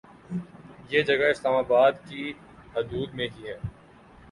یہ جگہ اسلام آباد کی حدود میں ہی ہے